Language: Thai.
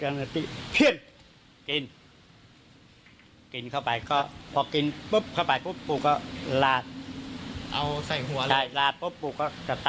เอ้าใส่หัวแล้วใช่รับปุ๊บปุ๊บก็กระตากน้ำมนต์